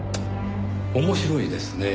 面白いですねぇ。